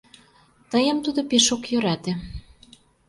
Тыйым тудо пеш ок йӧрате.